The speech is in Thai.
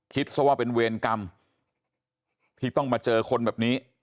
ซะว่าเป็นเวรกรรมที่ต้องมาเจอคนแบบนี้